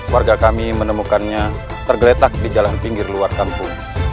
warga kami menemukannya tergeletak di jalan pinggir luar kampung